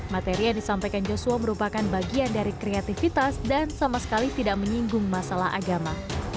materi yang disampaikan joshua merupakan bagian dari kreativitas dan sama sekali tidak menyinggung masalah agama